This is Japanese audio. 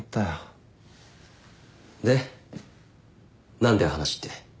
何だよ話って。